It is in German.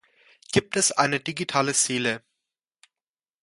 Gibt es eine digitale Seele?